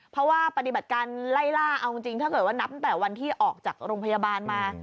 เพราะว่าปฏิบัติการไล่ล่าเอาจริงถ้าเกิดว่านับตั้งแต่วันที่ออกจากโรงพยาบาลมา